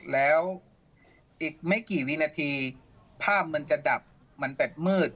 แล้วอีกไม่กี่วินาทีภาพมันจะดับมันแบบมืด